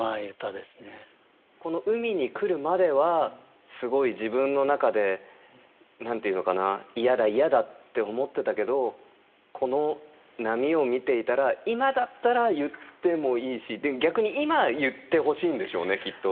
この海に来るまではすごい自分の中で何て言うのかな嫌だ嫌だって思ってたけどこの波を見ていたら今だったら言ってもいいし逆に今言ってほしいんでしょうねきっと。